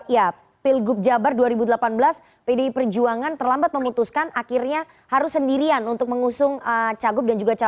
ya pilgub jabar dua ribu delapan belas pdi perjuangan terlambat memutuskan akhirnya harus sendirian untuk mengusung cagup dan juga cawapres